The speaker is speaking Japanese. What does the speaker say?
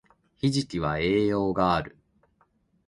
ひじきは栄養がある